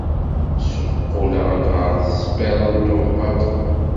Ssuqquleɣ-d ɣer tesperantot baṭel.